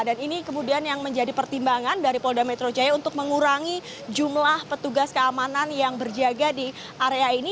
dan ini kemudian yang menjadi pertimbangan dari polda metro jaya untuk mengurangi jumlah petugas keamanan yang berjaga di area ini